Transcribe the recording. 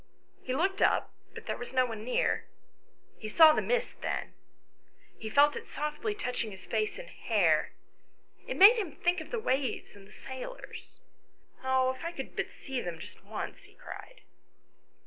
He looked up ; but there was no one near. He saw the mist then. He felt it softly touching his face and hair. It made him think of the waves and the sailors. " If I could but see them just once," he cried.